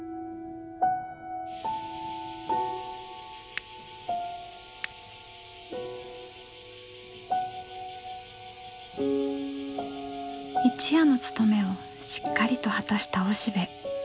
一夜の務めをしっかりと果たしたおしべ。